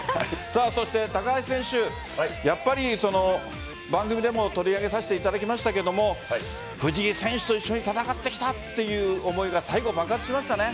高橋選手、やっぱり番組でも取り上げさせていただきましたが藤井選手と一緒に戦ってきたという思いが最後、爆発しましたね。